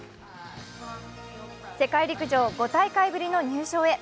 世界陸上５大会ぶりの入賞へ。